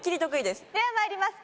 ではまいります。